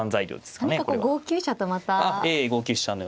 何かこう５九飛車とまた。